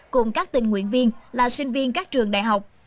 cùng các tình nguyện viên là sinh viên các trường đại học